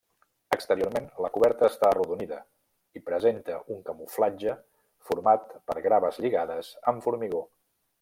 Exteriorment, la coberta està arrodonida i presenta un camuflatge format per graves lligades amb formigó.